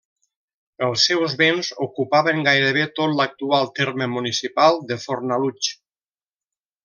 Els seus béns ocupaven gairebé tot l'actual terme municipal de Fornalutx.